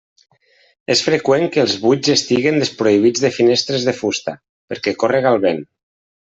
És freqüent que els buits estiguen desproveïts de finestres de fusta perquè córrega el vent.